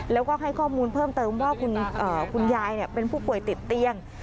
แล้วก็ให้ข้อมูลเพิ่มเติมว่าคุณยายเป็นผู้ป่วยติดเตียง